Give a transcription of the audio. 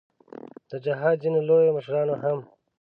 د جهاد ځینو لویو مشرانو هم.